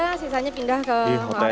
tadi tenda sisanya pindah ke hotel gitu ya